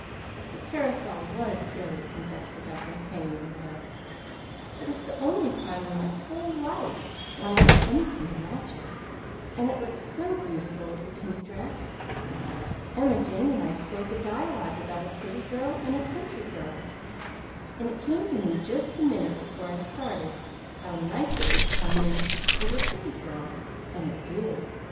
"The parasol WAS silly," confessed Rebecca, hanging her head; "but it's the only time in my whole life when I had anything to match it, and it looked so beautiful with the pink dress! Emma Jane and I spoke a dialogue about a city girl and a country girl, and it came to me just the minute before I started how nice it would come in for the city girl; and it did.